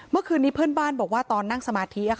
เมื่อคืนนี้เพื่อนบ้านบอกว่าตอนนั่งสมาธิ